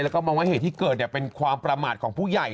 แล้วก็มองว่าเหตุที่เกิดเป็นความประมาทของผู้ใหญ่